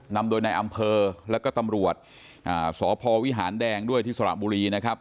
นำโดยในอำเภอแล้วก็ตำรวจสพวิหารแดงด้วยที่สระบุรีนะครับ